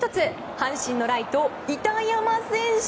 阪神のライト、板山選手。